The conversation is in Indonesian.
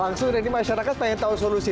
langsung ini masyarakat tanya tahu solusi